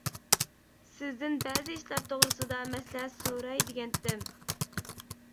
سىزدىن بەزى ئىشلار توغرىسىدا مەسلىھەت سوراي دېگەنتىم.